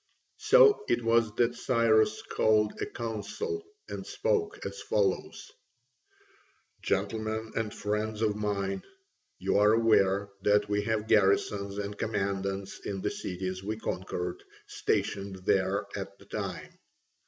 So it was that Cyrus called a council and spoke as follows: "Gentlemen and friends of mine, you are aware that we have garrisons and commandants in the cities we conquered, stationed there at the time.